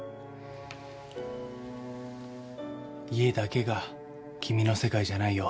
家だけが君の世界じゃないよ。